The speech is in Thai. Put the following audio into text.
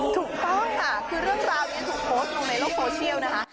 ถูกต้องค่ะคือเรื่องราวนี้ถูกโพสต์ลงในโลกโซเชียลนะคะ